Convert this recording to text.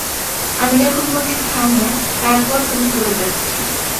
আমি যখন বলছি থাম তারপর তুমি করে যাচ্ছ।